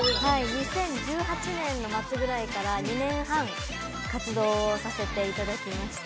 ２０１８年の末ぐらいから２年半活動をさせていただきました